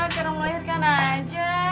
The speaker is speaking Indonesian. keren melihatkan aja